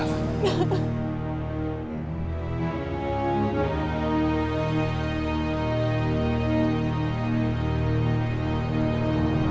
aku akan melindungimu